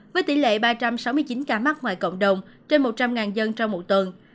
với tỷ lệ ba trăm sáu mươi chín ca mắc ngoài cộng đồng trên một trăm linh dân trong một tuần